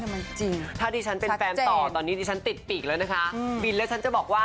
บิลและฉันจะบอกว่า